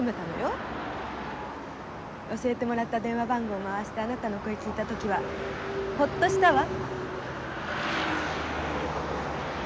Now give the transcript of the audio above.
教えてもらった電話番号回してあなたの声聞いた時はホッとしたわ。